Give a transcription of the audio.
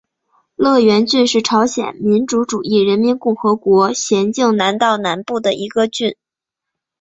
乐园郡是朝鲜民主主义人民共和国咸镜南道南部的一个郡。